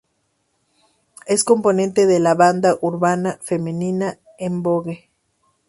Es componente de la banda "urban" femenina En Vogue.